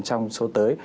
trong số tới